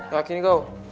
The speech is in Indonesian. yakin nih kau